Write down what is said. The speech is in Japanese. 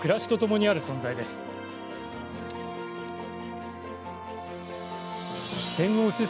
人々の暮らしとともにある存在です。